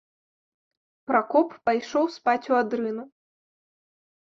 Пракоп пайшоў спаць у адрыну.